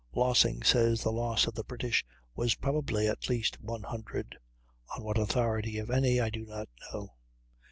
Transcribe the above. Lossing says the loss of the British was "probably at least one hundred," on what authority, if any, I do not know.